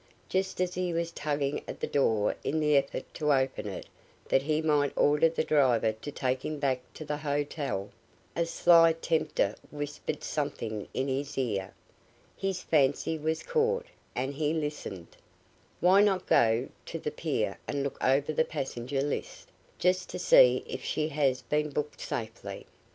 Just as he was tugging at the door in the effort to open it that he might order the driver to take him back to the hotel, a sly tempter whispered something in his ear; his fancy was caught, and he listened: "Why not go down to the pier and look over the passenger list, just to see if she has been booked safely?